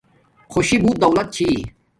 خوشی بوت دولت چھی